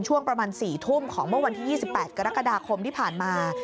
ช่วงประมาณ๔ทุ่มของเมื่อวันที่๒๘กรกฎาคมที่ผ่านมา